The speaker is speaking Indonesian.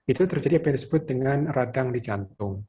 itu terjadi apa yang disebut dengan